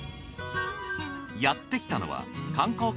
やってきたのは